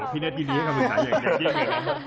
พี่เนธยินยึดให้พี่สุดภาพอย่างเดียว